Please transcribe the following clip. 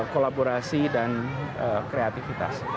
kolaborasi dan kreativitas